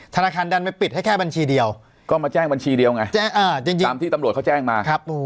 ธนาคารดันไปปิดให้แค่บัญชีเดียวก็มาแจ้งบัญชีเดียวไงตามที่ตำรวจเขาแจ้งมา